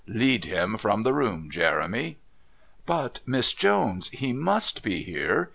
Lead him from the room, Jeremy!" "But, Miss Jones, he must be here.